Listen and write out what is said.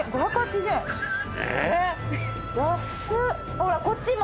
ほらこっちも。